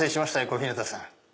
小日向さん